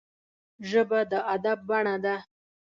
ژبه د ادب بڼه ده